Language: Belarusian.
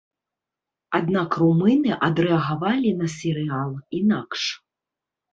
Аднак румыны адрэагавалі на серыял інакш.